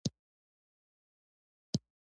موزیک د طبیعت سره همغږی وي.